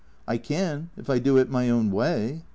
" I can, if I do it my own way."